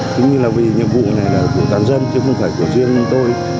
chính như là vì nhiệm vụ này là của toàn dân chứ không phải của riêng tôi